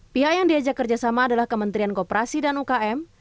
pihak yang diajak kerjasama adalah kementerian kooperasi dan ukm